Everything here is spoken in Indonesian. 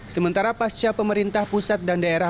sementara pasca pemerintah pusat dan daerah